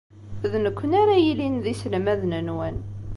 D nekkni ara yilin d iselmaden-nwen.